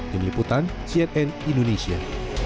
tim liputan cnn indonesia